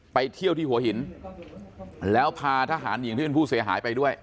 ไปเที่ยวที่หัวหินแล้วพาทหารหญิงที่เป็นผู้เสียหายไปด้วย